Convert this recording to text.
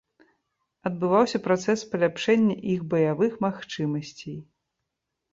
Адбываўся працэс паляпшэння іх баявых магчымасцей.